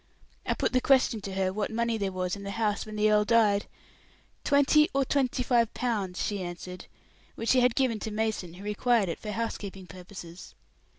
I put the question to her, what money there was in the house when the earl died. Twenty or twenty five pounds, she answered, which she had given to Mason, who required it for housekeeping purposes.